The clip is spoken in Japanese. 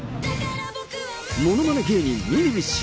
ものまね芸人、ミニビッシュ。